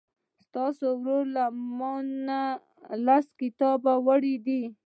ستا ورور له مانه لس کتابونه وړي دي.